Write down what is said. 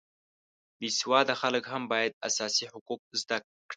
بې سواده خلک هم باید اساسي حقوق زده کړي